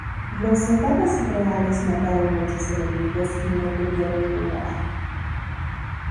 Los soldados reales mataron muchos enemigos y no tuvieron ninguna baja.